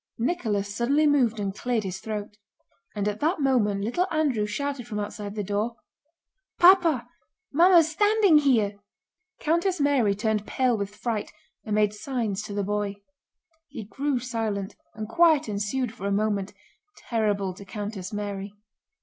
Nicholas suddenly moved and cleared his throat. And at that moment little Andrew shouted from outside the door: "Papa! Mamma's standing here!" Countess Mary turned pale with fright and made signs to the boy. He grew silent, and quiet ensued for a moment, terrible to Countess Mary.